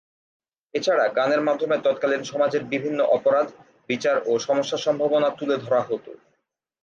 এছাড়া গানের মাধ্যমে তৎকালিন সমাজের বিভিন্ন অপরাধ, বিচার ও সমস্যা-সম্ভাবনা তুলে ধরা হতো।